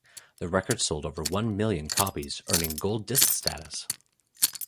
The record sold over one million copies, earning gold disc status.